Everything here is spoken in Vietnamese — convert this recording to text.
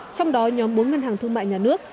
trong đó nhóm bốn ngân hàng thương mại nhà nước